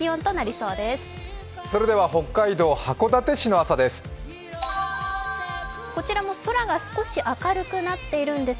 それでは北海道函館市の朝です。